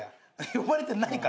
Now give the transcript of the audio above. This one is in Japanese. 呼ばれてないからよ。